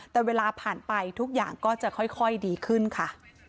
แต่เวลาผ่านไปทุกอย่างก็จะค่อยดีขึ้นค่ะ